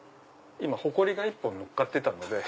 ほこりが１本のっかってたので。